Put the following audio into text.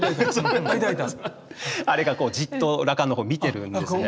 あれがじっと羅漢の方を見てるんですね。